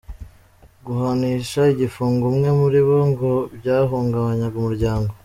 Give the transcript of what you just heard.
Guhanisha igifungo umwe muri bo ngo byahungabanya umuryango.